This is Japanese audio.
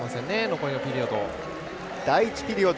残りのピリオド。